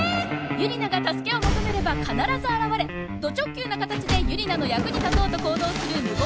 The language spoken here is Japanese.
ユリナが助けを求めれば必ず現れド直球な形でユリナの役に立とうと行動する無言のオッサンしもべえ。